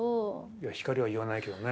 いや光は言わないけどね。